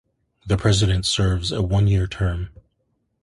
The President serves a one-year term.